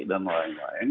dalaulah yang lain